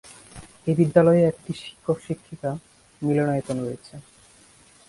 এ বিদ্যালয়ে একটি শিক্ষক-শিক্ষিকা মিলনায়তন রয়েছে।